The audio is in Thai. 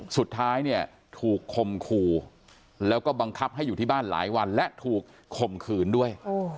สุดท้ายเนี่ยถูกคมคู่แล้วก็บังคับให้อยู่ที่บ้านหลายวันและถูกข่มขืนด้วย